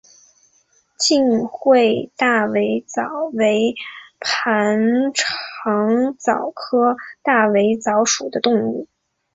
近缘大尾蚤为盘肠蚤科大尾蚤属的动物。